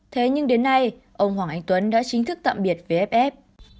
thế nhưng đến nay ông hoàng anh tuấn đã chính thức tạm biệt vff